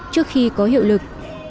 trước khi có hiệu lực